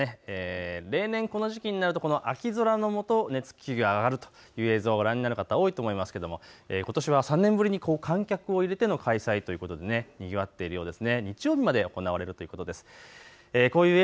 例年、この時期になると秋空のもと熱気球が上がるという映像をご覧になる方、多いと思いますけどことしは３年ぶりに観客を入れての開催ということでにぎわっているようです。